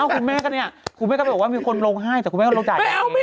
เอ้าคุณแม่ก็เนี่ยคุณแม่ก็บอกว่ามีคนโรงให้แต่คุณแม่ก็โรงจ่ายแบบนี้